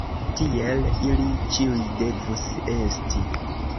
Tiel ili ĉiuj devus esti.